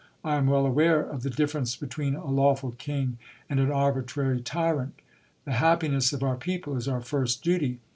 I am well aware of the difference between a lawful king and an arbitrary tyrant. The happiness of our people is our first duty.